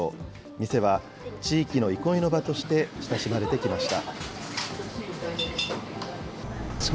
店は地域の憩いの場として親しまれてきました。